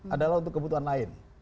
adalah untuk kebutuhan lain